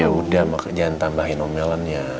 ya udah maka jangan tambahin omelannya